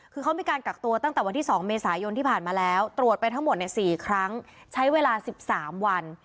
คือเขามีการกักตัวตั้งแต่วันที่๒เมษายนที่ผ่านมาแล้วตรวจไปทั้งหมด๔ครั้งใช้เวลา๑๓วัน